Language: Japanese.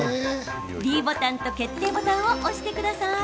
ｄボタンと決定ボタンを押してください。